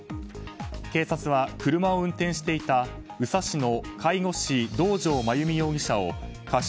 警察は車を運転していた宇佐市の介護士銅城真弓容疑者を過失